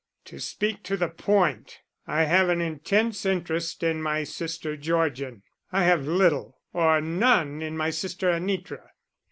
To speak to the point, I have an intense interest in my sister Georgian. I have little or none in my sister Anitra.